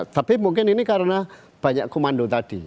tapi mungkin ini karena banyak komando tadi